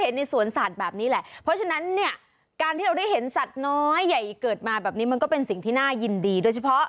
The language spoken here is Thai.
ในสวนสัตว์แบบนี้แหละเพราะฉะนั้นเนี่ยการที่เราได้เห็นสัตว์น้อยใหญ่เกิดมาแบบนี้มันก็เป็นสิ่งที่น่ายินดีโดยเฉพาะ